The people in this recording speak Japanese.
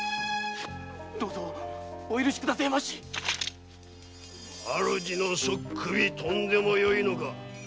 どうぞお許しくだせえまし主の素っ首飛んでもよいのか。